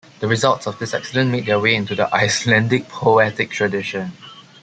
The results of this accident made their way into the Icelandic poetic tradition.